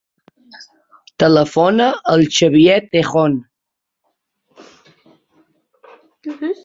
Telefona al Xavier Tejon.